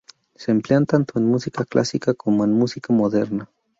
Se emplean tanto en música clásica como en música moderna.